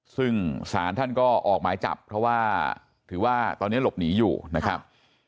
ซึ่งศาลท่านก็ออกหมายจับเพราะว่าถือว่าตอนนี้หลบหนีอยู่นะครับ